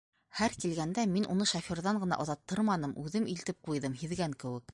Һәр килгәндә мин уны шофёрҙан ғына оҙаттырманым, үҙем илтеп ҡуйҙым, һиҙгән кеүек...